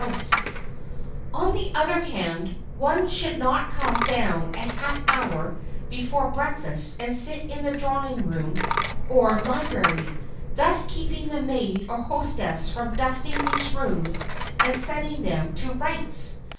[Sidenote: THE DUTIES OF A GUEST] On the other hand, one should not come down a half hour before breakfast and sit in the drawing room or library, thus keeping the maid or hostess from dusting these rooms and setting them to rights.